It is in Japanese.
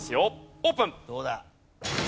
オープン！